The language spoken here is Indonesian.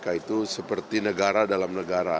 kpk itu seperti negara dalam negara